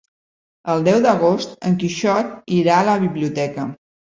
El deu d'agost en Quixot irà a la biblioteca.